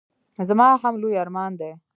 زما هم لوی ارمان دی.